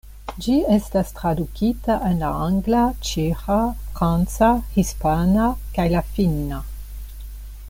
Ĝi estas tradukita en la angla, ĉeĥa, franca, hispana, kaj la finna.